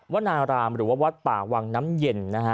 วัดนารามหรือวัดป่าวังน้ำเย็น